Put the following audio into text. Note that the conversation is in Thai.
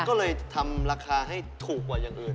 ก็เลยทำราคาให้ถูกกว่าอย่างอื่น